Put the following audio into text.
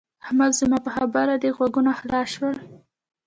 احمده! زما په خبره دې غوږونه خلاص شول؟